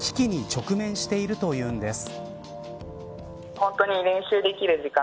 しかし、今ある危機に直面しているというんです。